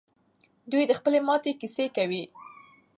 دوی د خپلې ماتې کیسه کوي.